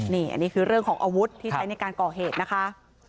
นี่อันนี้คือเรื่องของอาวุธที่ใช้ในการก่อเหตุนะคะ